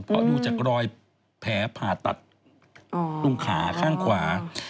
เพราะดูจากรอยแผลผ่าตัดตรงขาข้างขวา